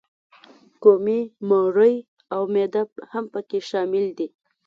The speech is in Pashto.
کومي، مرۍ او معده هم پکې شامل دي.